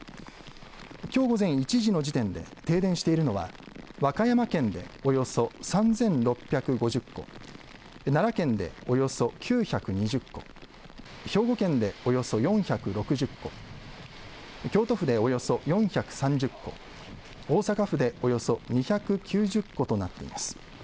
きょう午前１時の時点で停電しているのは和歌山県でおよそ３６５０戸、奈良県でおよそ９２０戸、兵庫県でおよそ４６０戸、京都府でおよそ４３０戸、大阪府でおよそ２９０戸となっています。